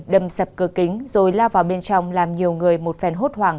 đâm sập cửa kính rồi la vào bên trong làm nhiều người một phèn hốt hoảng